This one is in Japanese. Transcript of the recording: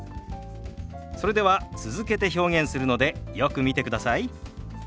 それでは続けて表現するのでよく見てください。